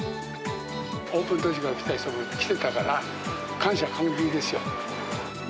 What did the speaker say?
オープン当時から来てた人も来てたから、感謝感激ですよ。